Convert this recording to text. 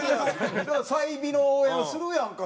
済美の応援をするやんか。